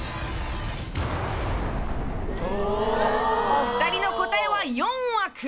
お二人の答えは４枠。